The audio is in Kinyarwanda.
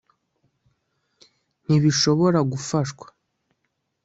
Ntibishobora gufashwa